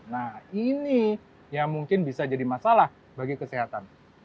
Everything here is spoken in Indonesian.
nah ini yang mungkin bisa jadi masalah bagi kesehatan